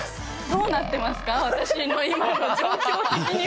どうなってますか？